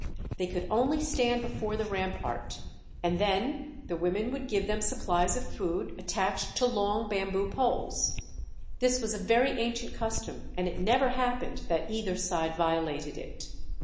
They could only stand before the rampart and then the women would give them supplies of food attached to long bamboo poles. This was a very ancient custom and it never happened that either side violated it.